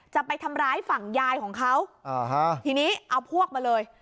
จะไปทำร้ายฝั่งยายของเขาทีนี้เอาพวกมาเลย